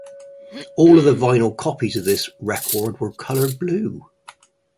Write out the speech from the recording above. All of the vinyl copies of this record were colored blue.